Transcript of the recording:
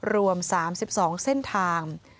รวม๓๒เส้นทาง